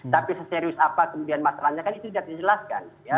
tapi seserius apa kemudian masalahnya kan itu tidak dijelaskan